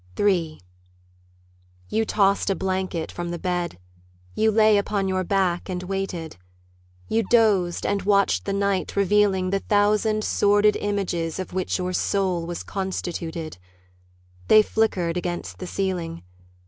III You tossed a blanket from the bed, You lay upon your back, and waited; You dozed, and watched the night revealing The thousand sordid images Of which your soul was constituted; They flickered against the ceiling.